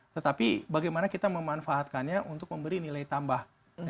tetapi bagaimana kita memanfaatkannya untuk memberi nilai tambah